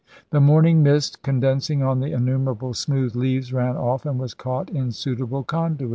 The morning mist condensing on the innumerable smooth leaves ran off and was caught in suitable conduits.